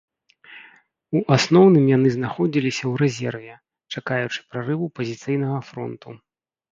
У асноўным яны знаходзіліся ў рэзерве, чакаючы прарыву пазіцыйнага фронту.